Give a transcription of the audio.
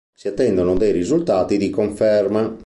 Si attendono dei risultati di conferma.